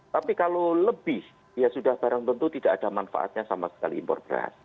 tapi kalau lebih ya sudah barang tentu tidak ada manfaatnya sama sekali impor beras